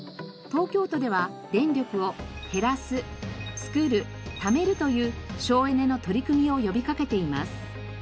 東京都では電力を「へらすつくるためる」という省エネの取り組みを呼びかけています。